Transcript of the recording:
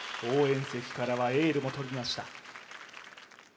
応援席からはエールも飛びました